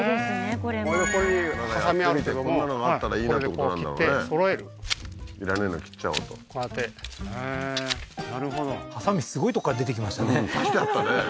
これもねやってみてこんなのがあったらいいなってことなんだろうねいらないの切っちゃおうとこうやってへえーなるほどハサミすごいとこから出てきましたね差してあったね